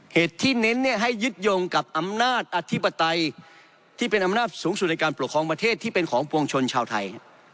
เหตุที่เน้นให้ยึดโยงกับอำนาจอธิปไตยที่เป็นอำนาจสูงสุดในการปกครองประเทศที่เป็นของปวงชนชาวไทย